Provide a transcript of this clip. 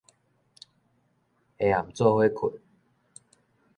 下暗做伙睏